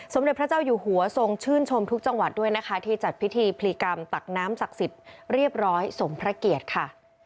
สมเด็จพระเจ้าอยู่หัวทรงชื่นชมทุกจังหวัดด้วยนะคะที่จัดพิธีพลีกรรมตักน้ำศักดิ์สิทธิ์เรียบร้อยสมพระเกียรติค่ะ